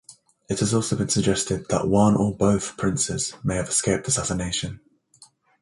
It has also been suggested that one or both princes may have escaped assassination.